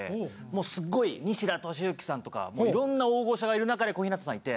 もうすごい西田敏行さんとか色んな大御所がいる中で小日向さんいて。